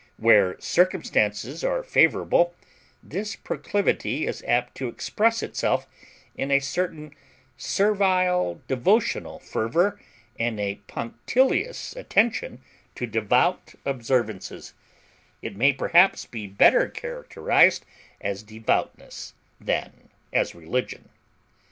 Where circumstances are favorable, this proclivity is apt to express itself in a certain servile devotional fervor and a punctilious attention to devout observances; it may perhaps be better characterized as devoutness than as religion.